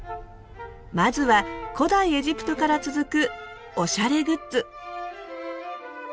まずは古代エジプトから続くおしゃれグッズ。